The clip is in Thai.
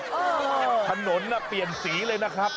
ใช่มั้ยล่ะถนนน่ะเปลี่ยนสีเลยนะครับ